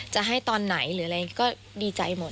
จะให้ตอนไหนหรืออะไรก็ดีใจหมด